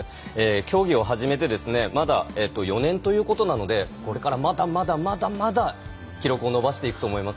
競技を始めてまだ４年ということなのでこれから、まだまだ、まだまだ記録を伸ばしていくと思います。